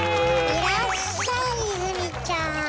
いらっしゃい泉ちゃん！